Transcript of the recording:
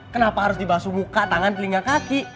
kenapa harus dibasu muka tangan telinga kaki